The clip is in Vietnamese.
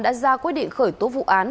đã ra quyết định khởi tố vụ án